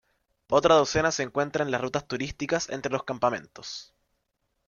Otra docena se encuentra en las rutas turísticas entre los campamentos.